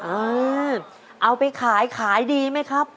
เอาไปขายขายดีไหมครับ